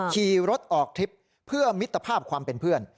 ขี่รถออกทริปเพื่อมิตรภาพความเป็นเพื่อน